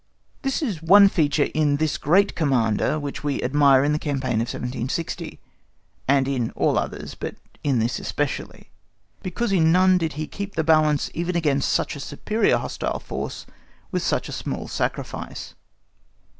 This is one feature in this great Commander which we admire in the campaign of 1760—and in all others, but in this especially—because in none did he keep the balance even against such a superior hostile force, with such a small sacrifice.